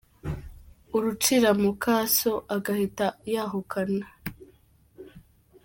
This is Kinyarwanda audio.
Urucira mukaso agahita yahukana.